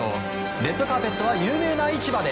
レッドカーペットは有名な市場で。